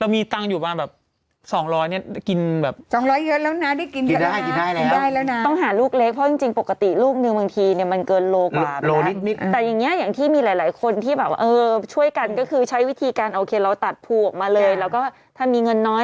มีเงินน้อยก็แบบว่าเอาภูเล็กหน่อย